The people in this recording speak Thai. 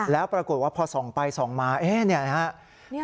แล้วปรากฏว่าพอส่องไปส่องมาเนี่ยนะครับ